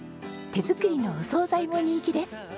手作りのお惣菜も人気です。